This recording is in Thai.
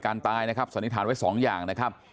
ถิ่นตาเละที่สำนึกฐานไว้สองอย่างนะครับ